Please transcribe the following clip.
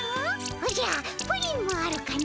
おじゃプリンもあるかの？